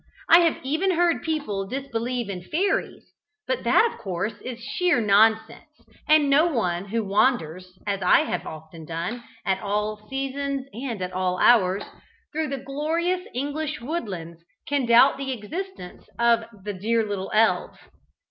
I have even heard people disbelieve in fairies, but that of course is sheer nonsense; and no one who wanders as I have often done, at all seasons and at all hours through the glorious English woodlands, can doubt the existence of the dear little elves.